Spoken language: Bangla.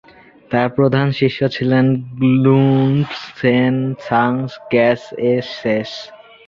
তার প্রধান শিষ্য ছিলেন গ্নুব্স-ছেন-সাংস-র্গ্যাস-য়ে-শেস।